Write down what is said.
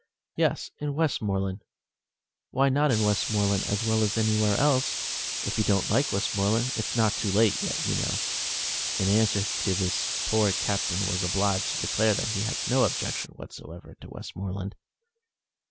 "Yes, in Westmoreland. Why not in Westmoreland as well as anywhere else? If you don't like Westmoreland, it's not too late yet, you know." In answer to this the poor Captain was obliged to declare that he had no objection whatever to Westmoreland.